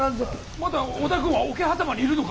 まだ織田軍は桶狭間にいるのか？